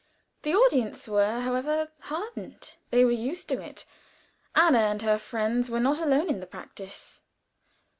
The audience were, however, hardened; they were used to it. Anna and her friends were not alone in the practice.